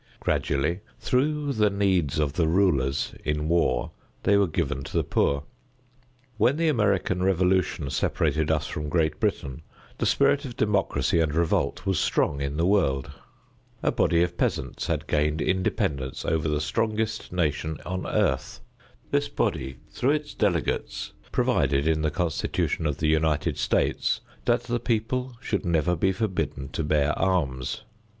Gradually through the needs of the rulers in war they were given to the poor. When the American Revolution separated us from Great Britain, the spirit of democracy and revolt was strong in the world. A body of peasants had gained independence over the strongest nation on earth. This body, through its delegates, provided in the Constitution of the United States that the people should never be forbidden to bear arms.